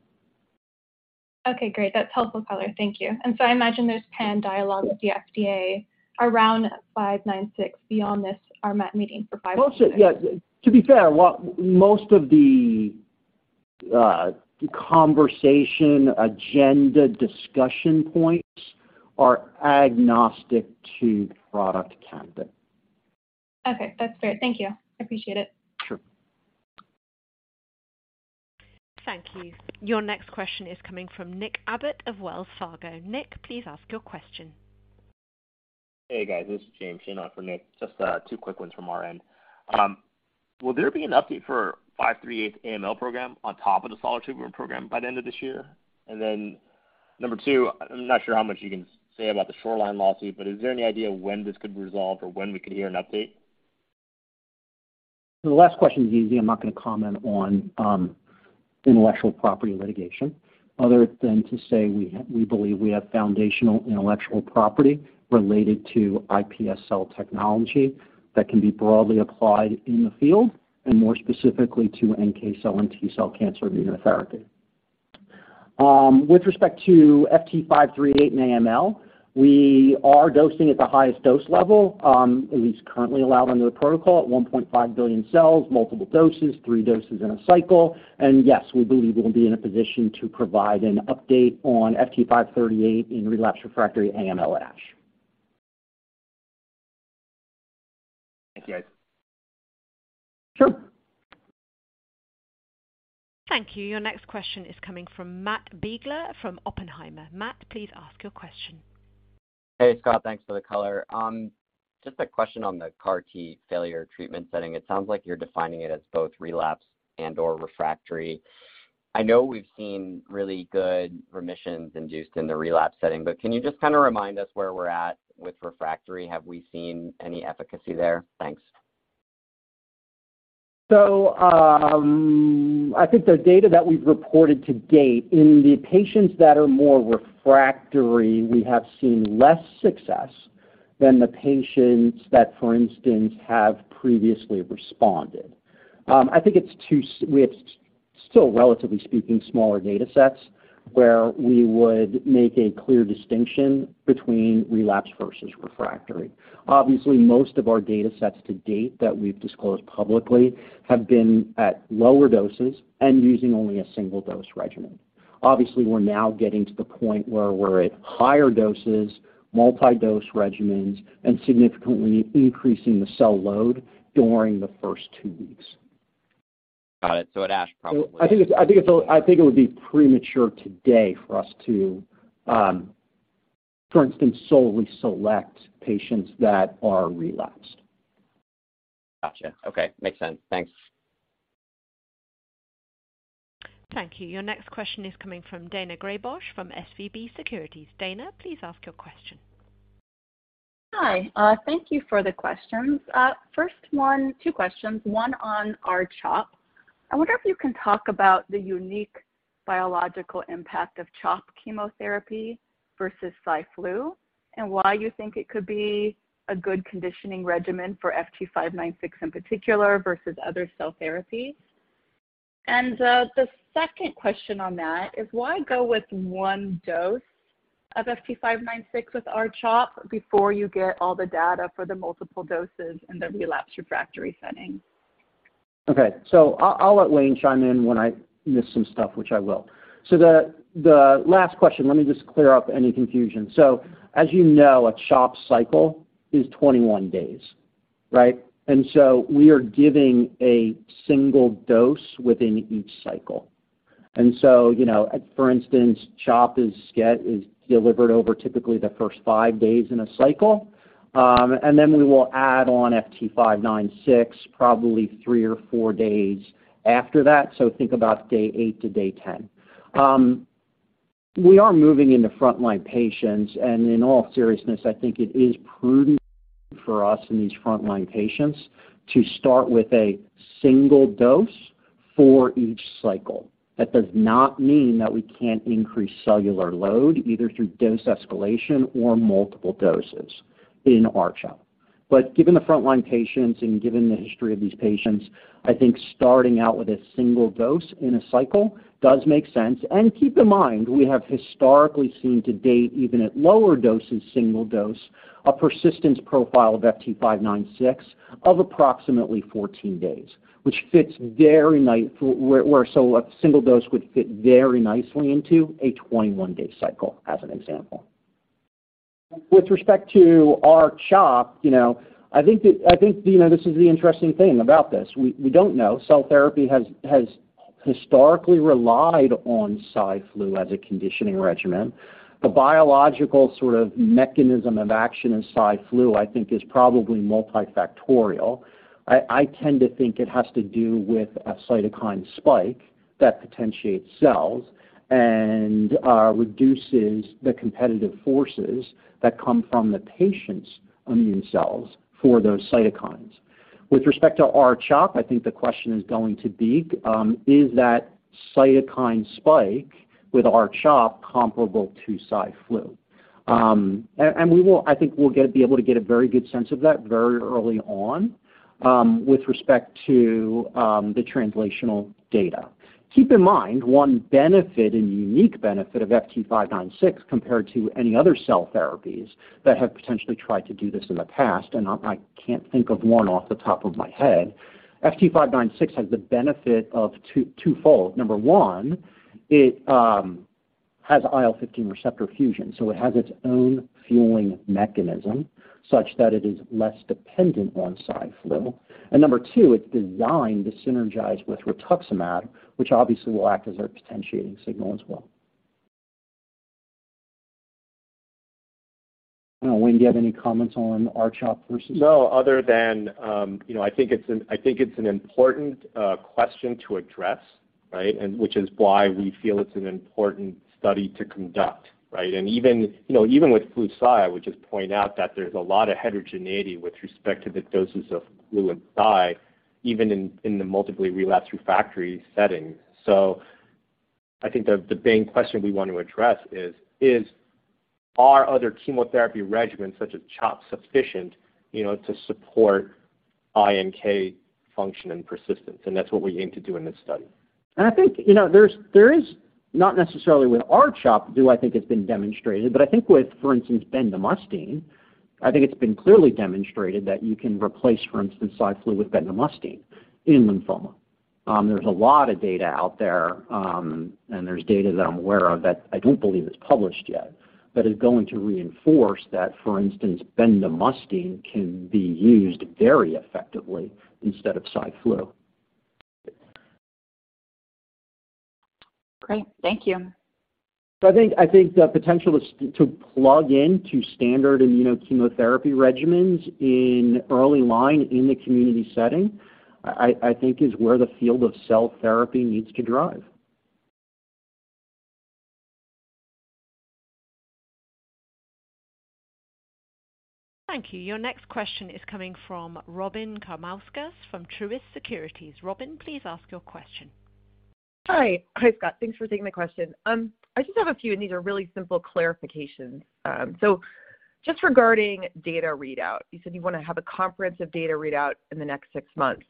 J: Okay, great. That's helpful color. Thank you. I imagine there's PAN dialogue with the FDA around 596 beyond this RMAT meeting for 516.
B: Yeah. To be fair, what most of the conversation agenda discussion points are agnostic to product candidate.
J: Okay, that's fair. Thank you. I appreciate it.
B: Sure.
A: Thank you. Your next question is coming from Nick Abbott of Wells Fargo. Nick, please ask your question.
K: Hey, guys. This is James Shin for Nick Abbott. Just two quick ones from our end. Will there be an update for FT538 AML program on top of the solid tumor program by the end of this year? Number two, I'm not sure how much you can say about the Shoreline lawsuit, but is there any idea when this could resolve or when we could hear an update?
B: The last question is easy. I'm not gonna comment on intellectual property litigation other than to say we believe we have foundational intellectual property related to iPS cell technology that can be broadly applied in the field and more specifically to NK cell and T cell cancer immunotherapy. With respect to FT538 and AML, we are dosing at the highest dose level, at least currently allowed under the protocol at 1.5 billion cells, multiple doses, three doses in a cycle. Yes, we believe we'll be in a position to provide an update on FT538 in relapsed refractory AML/ASH.
K: Thank you, guys.
B: Sure.
A: Thank you. Your next question is coming from Matthew Biegler from Oppenheimer. Matt, please ask your question.
L: Hey, Scott. Thanks for the color. Just a question on the CAR T failure treatment setting. It sounds like you're defining it as both relapse and/or refractory. I know we've seen really good remissions induced in the relapse setting, but can you just kinda remind us where we're at with refractory? Have we seen any efficacy there? Thanks.
B: I think the data that we've reported to date in the patients that are more refractory, we have seen less success than the patients that, for instance, have previously responded. I think it's too soon. We still have, relatively speaking, smaller datasets where we would make a clear distinction between relapse versus refractory. Obviously, most of our datasets to date that we've disclosed publicly have been at lower doses and using only a single dose regimen. Obviously, we're now getting to the point where we're at higher doses, multi-dose regimens, and significantly increasing the cell load during the first two weeks.
L: Got it. At ASH probably.
B: I think it would be premature today for us to, for instance, solely select patients that are relapsed.
L: Gotcha. Okay. Makes sense. Thanks.
A: Thank you. Your next question is coming from Daina Graybosch from SVB Securities. Dana, please ask your question.
M: Hi. Thank you for the questions. Two questions, one on R-CHOP. I wonder if you can talk about the unique biological impact of CHOP chemotherapy versus CyFlu and why you think it could be a good conditioning regimen for FT596 in particular versus other cell therapies. The second question on that is why go with one dose of FT596 with R-CHOP before you get all the data for the multiple doses in the relapsed refractory setting?
B: Okay. I'll let Wayne chime in when I miss some stuff, which I will. The last question, let me just clear up any confusion. As you know, a CHOP cycle is 21 days, right? We are giving a single dose within each cycle. You know, for instance, CHOP is delivered over typically the first five days in a cycle. We will add on FT596 probably three or four days after that. Think about day 8 to day 10. We are moving into front-line patients, and in all seriousness, I think it is prudent for us in these front-line patients to start with a single dose for each cycle. That does not mean that we can't increase cellular load, either through dose escalation or multiple doses in R-CHOP. Given the frontline patients and given the history of these patients, I think starting out with a single dose in a cycle does make sense. Keep in mind, we have historically seen to date, even at lower doses, single dose, a persistence profile of FT596 of approximately 14 days, which fits very nicely into a 21-day cycle, as an example. With respect to R-CHOP, you know, I think this is the interesting thing about this. We don't know. Cell therapy has historically relied on CyFlu as a conditioning regimen. The biological sort of mechanism of action in CyFlu, I think, is probably multifactorial. I tend to think it has to do with a cytokine spike that potentiates cells and reduces the competitive forces that come from the patient's immune cells for those cytokines. With respect to R-CHOP, I think the question is going to be is that cytokine spike with R-CHOP comparable to CyFlu? We will be able to get a very good sense of that very early on with respect to the translational data. Keep in mind, one benefit and unique benefit of FT596 compared to any other cell therapies that have potentially tried to do this in the past, and I can't think of one off the top of my head, FT596 has the benefit of two, twofold. Number one, it has IL-15 receptor fusion, so it has its own fueling mechanism such that it is less dependent on CyFlu. Number two, it's designed to synergize with Rituximab, which obviously will act as our potentiating signal as well. I don't know, Wayne. Do you have any comments on R-CHOP versus-
E: No, other than, you know, I think it's an important question to address, right? Which is why we feel it's an important study to conduct, right? Even with FluCy, I would just point out that there's a lot of heterogeneity with respect to the doses of flu and cy even in the multiply relapsed/refractory setting. I think the main question we want to address is are other chemotherapy regimens such as CHOP sufficient, you know, to support iNK function and persistence? That's what we aim to do in this study.
B: I think, you know, there is not necessarily with R-CHOP do I think it's been demonstrated, but I think with, for instance, bendamustine, I think it's been clearly demonstrated that you can replace, for instance, CyFlu with bendamustine in lymphoma. There's a lot of data out there, and there's data that I'm aware of that I don't believe is published yet, but is going to reinforce that, for instance, bendamustine can be used very effectively instead of CyFlu.
M: Great. Thank you.
B: I think the potential is to plug into standard immunochemotherapy regimens in first-line in the community setting, I think, is where the field of cell therapy needs to drive.
A: Thank you. Your next question is coming from Robyn Karnauskas from Truist Securities. Robyn, please ask your question.
N: Hi. Hi, Scott. Thanks for taking the question. I just have a few, and these are really simple clarifications. Just regarding data readout, you said you wanna have a comprehensive data readout in the next six months.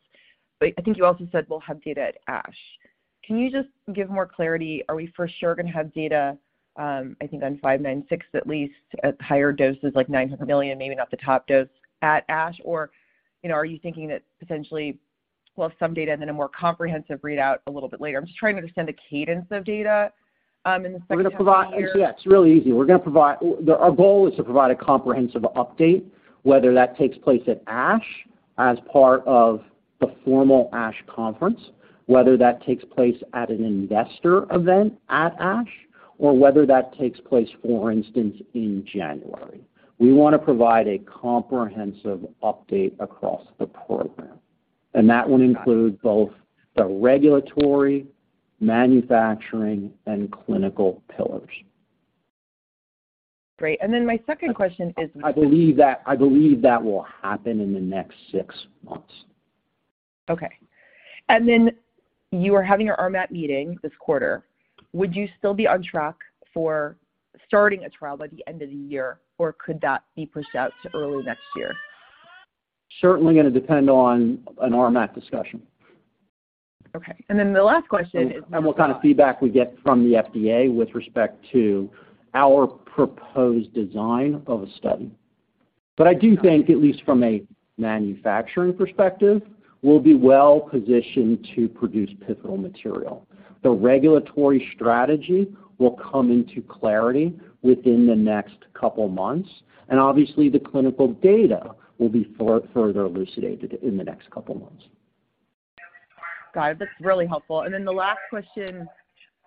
N: I think you also said we'll have data at ASH. Can you just give more clarity? Are we for sure gonna have data, I think on FT596, at least at higher doses, like 900 million, maybe not the top dose, at ASH? Or, you know, are you thinking that potentially we'll have some data and then a more comprehensive readout a little bit later? I'm just trying to understand the cadence of data, in the second half of the year.
B: Our goal is to provide a comprehensive update, whether that takes place at ASH as part of the formal ASH conference, whether that takes place at an investor event at ASH, or whether that takes place, for instance, in January. We wanna provide a comprehensive update across the program, and that would include both the regulatory, manufacturing, and clinical pillars.
N: Great. My second question is.
B: I believe that will happen in the next six months.
N: Okay. You are having your RMAT meeting this quarter. Would you still be on track for starting a trial by the end of the year, or could that be pushed out to early next year?
B: Certainly gonna depend on an RMAT discussion.
N: Okay. The last question is.
B: What kind of feedback we get from the FDA with respect to our proposed design of a study. I do think, at least from a manufacturing perspective, we'll be well-positioned to produce pivotal material. The regulatory strategy will come into clarity within the next couple months, and obviously the clinical data will be further elucidated in the next couple months.
N: Got it. That's really helpful. The last question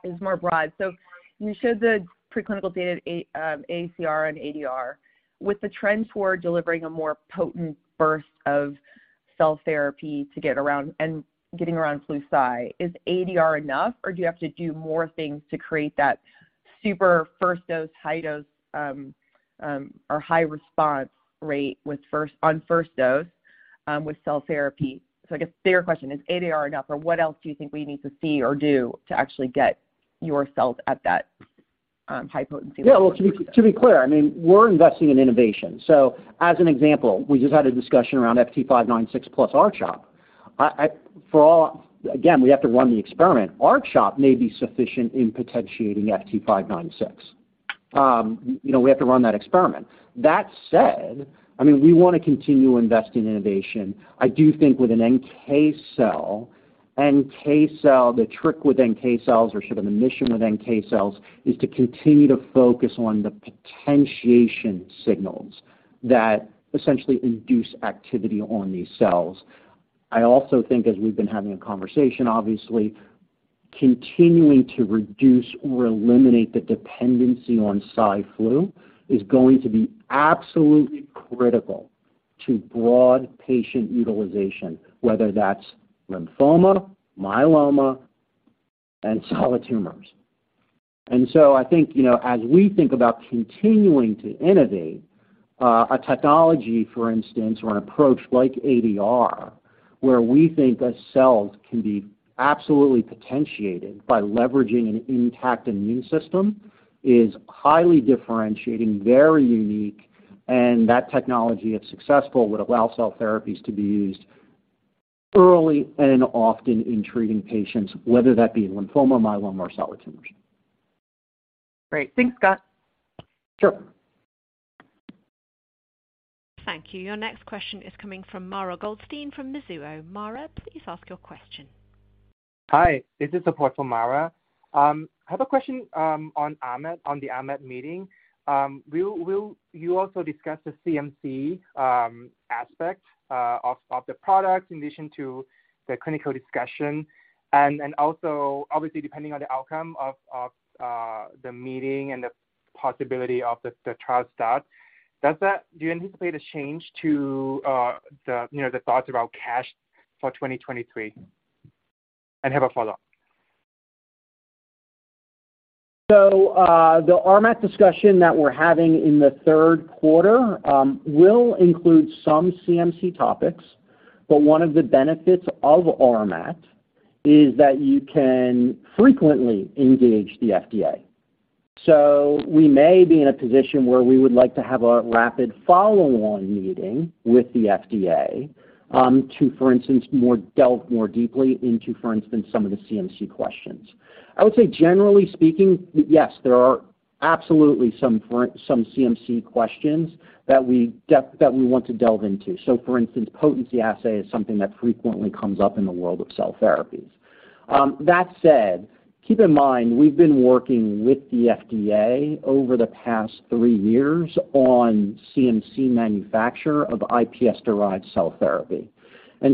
N: is more broad. You showed the preclinical data at a AACR and ADR. With the trend toward delivering a more potent burst of cell therapy to get around and getting around FluCy, is ADR enough, or do you have to do more things to create that super first dose, high dose, or high response rate with first-- on first dose, with cell therapy? I guess the bigger question, is ADR enough, or what else do you think we need to see or do to actually get your cells at that, high potency?
B: Yeah. Well, to be clear, I mean, we're investing in innovation. As an example, we just had a discussion around FT596 plus R-CHOP. For all. Again, we have to run the experiment. R-CHOP may be sufficient in potentiating FT596. You know, we have to run that experiment. That said, I mean, we wanna continue investing in innovation. I do think with an NK cell, the trick with NK cells or the mission with NK cells is to continue to focus on the potentiation signals that essentially induce activity on these cells. I also think as we've been having a conversation, obviously, continuing to reduce or eliminate the dependency on CyFlu is going to be absolutely critical to broad patient utilization, whether that's lymphoma, myeloma, and solid tumors. I think, you know, as we think about continuing to innovate, a technology, for instance, or an approach like ADR, where we think NK cells can be absolutely potentiated by leveraging an intact immune system, is highly differentiating, very unique, and that technology if successful would allow cell therapies to be used early and often in treating patients, whether that be lymphoma, myeloma, or solid tumors.
N: Great. Thanks, Scott.
B: Sure.
A: Thank you. Your next question is coming from Mara Goldstein from Mizuho. Mara, please ask your question.
O: Hi. This is question for Mara. I have a question on the RMAT meeting. Will you also discuss the CMC aspect of the product in addition to the clinical discussion? And also, obviously, depending on the outcome of the meeting and the possibility of the trial start, do you anticipate a change to the thoughts about cash for 2023? And have a follow-up.
B: The RMAT discussion that we're having in the third quarter will include some CMC topics, but one of the benefits of RMAT is that you can frequently engage the FDA. We may be in a position where we would like to have a rapid follow-on meeting with the FDA to, for instance, delve more deeply into, for instance, some of the CMC questions. I would say, generally speaking, yes, there are absolutely some CMC questions that we want to delve into. For instance, potency assay is something that frequently comes up in the world of cell therapies. That said, keep in mind, we've been working with the FDA over the past three years on CMC manufacturing of iPS-derived cell therapy.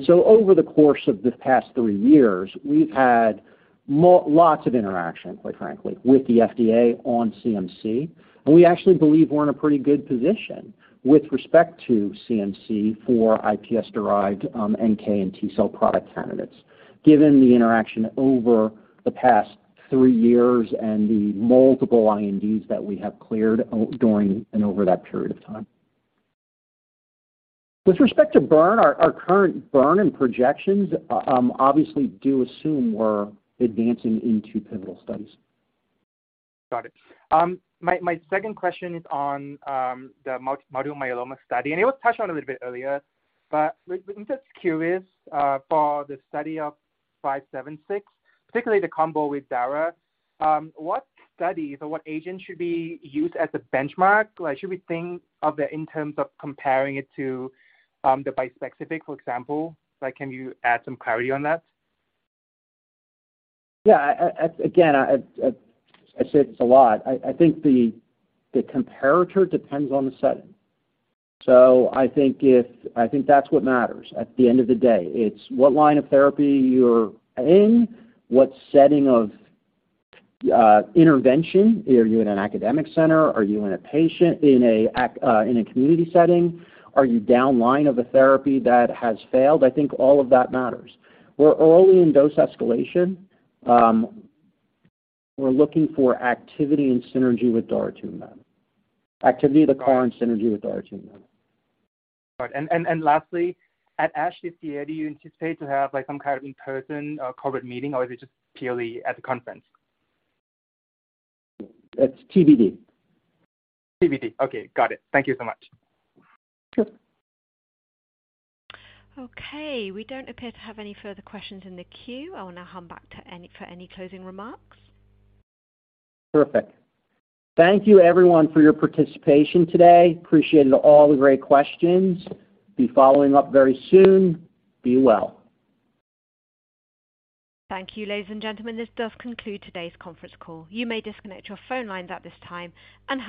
B: Over the course of the past three years, we've had lots of interaction, quite frankly, with the FDA on CMC. We actually believe we're in a pretty good position with respect to CMC for iPS-derived NK and T-cell product candidates, given the interaction over the past three years and the multiple INDs that we have cleared during and over that period of time. With respect to burn, our current burn and projections obviously do assume we're advancing into pivotal studies.
O: Got it. My second question is on the multiple myeloma study. It was touched on a little bit earlier, but we're just curious for the study of five seven six, particularly the combo with Dara, what studies or what agent should be used as a benchmark? Like, should we think of it in terms of comparing it to the bispecific, for example? Like, can you add some clarity on that?
B: Yeah. Again, I say this a lot. I think the comparator depends on the setting. I think that's what matters at the end of the day. It's what line of therapy you're in, what setting of intervention. Are you in an academic center? Are you in a community setting? Are you down line of a therapy that has failed? I think all of that matters. We're early in dose escalation. We're looking for activity and synergy with Daratumumab. Activity of the CAR in synergy with Daratumumab.
O: Right. Lastly, at ASH, do you anticipate to have, like, some kind of in-person KOL meeting, or is it just purely at the conference?
B: It's TBD.
O: TBD. Okay. Got it. Thank you so much.
B: Sure.
A: Okay. We don't appear to have any further questions in the queue. I will now hand back for any closing remarks.
B: Perfect. Thank you everyone for your participation today. Appreciated all the great questions. Be following up very soon. Be well.
A: Thank you, ladies and gentlemen. This does conclude today's conference call. You may disconnect your phone lines at this time and have a-